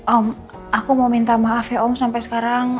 om aku mau minta maaf ya om sampai sekarang